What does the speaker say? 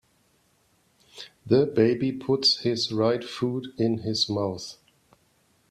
The baby puts his right foot in his mouth.